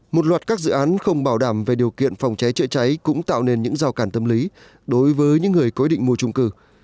một loạt các dự án không bảo đảm về điều kiện phòng cháy chữa cháy cũng tạo nên những rào cản tâm lý đối với những người có ý định mua trung cư